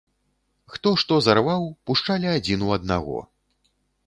Хто што зарваў, пушчалі адзін у аднаго.